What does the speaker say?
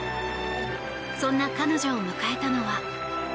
そんな彼女を迎えたのは。